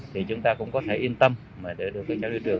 thì chúng ta cũng có thể yên tâm để được các cháu đưa trường